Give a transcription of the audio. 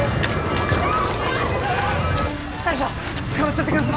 大将つかまっちょってください！